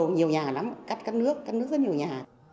nhiều nhà lắm cắt các nước cắt nước rất nhiều nhà